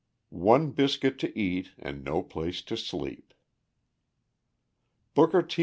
One Biscuit to Eat and no Place to Sleep Booker T.